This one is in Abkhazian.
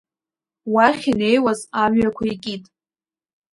Уахь инеиуаз амҩақәа икит.